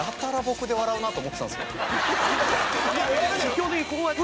基本的にこうやって。